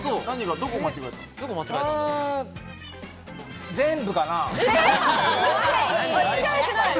どこ間違えたの？